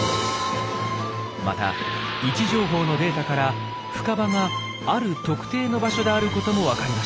また位置情報のデータから深場がある特定の場所であることもわかりました。